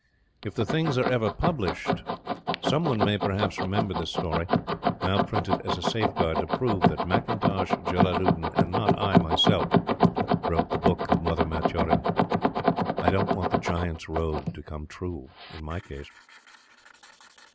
If the things are ever published some one may perhaps remember this story, now printed as a safeguard to prove that McIntosh Jellaludin and not I myself wrote the Book of Mother Maturin. I don't want the Giant's Robe to come true in my case.